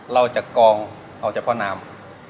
เราจะกองเอาจากพ่อน้ำ